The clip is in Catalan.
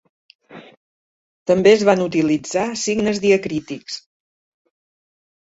També es van utilitzar signes diacrítics.